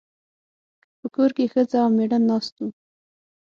په کور کې ښځه او مېړه ناست وو.